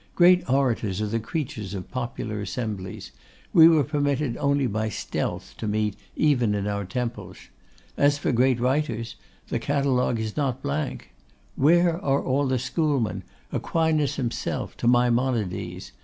Great orators are the creatures of popular assemblies; we were permitted only by stealth to meet even in our temples. And as for great writers, the catalogue is not blank. What are all the schoolmen, Aquinas himself, to Maimonides?